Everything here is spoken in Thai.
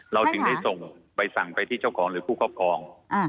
เราจึงได้ส่งใบสั่งไปที่เจ้าของหรือผู้ครอบครอง